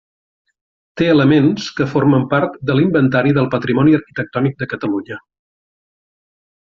Té elements que formen part de l'Inventari del Patrimoni Arquitectònic de Catalunya.